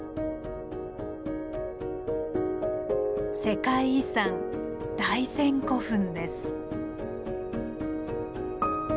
世界遺産大山古墳です。